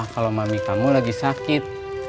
kalau mami kamu lagi sakit